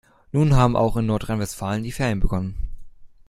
Nun haben auch in Nordrhein-Westfalen die Ferien begonnen.